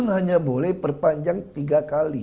hanya boleh perpanjang tiga kali